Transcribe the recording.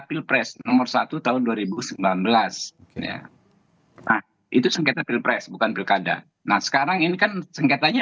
pilpres nomor satu tahun dua ribu sembilan belas ya nah itu sengketa pilpres bukan pilkada nah sekarang ini kan sengketanya